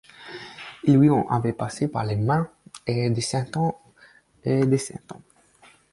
Il lui en avait passé par les mains, et des centaines, et des centaines !